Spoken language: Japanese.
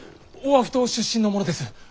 オアフ島出身の者です。